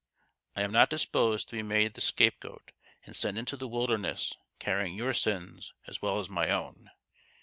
I am not disposed to be made the scapegoat, and sent into the wilderness carrying your sins as well as my own.